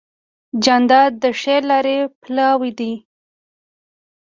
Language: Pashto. جانداد د ښې لارې پلوی دی.